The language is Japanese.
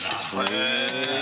へえ。